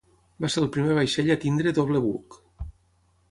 Va ser el primer vaixell a tenir doble buc.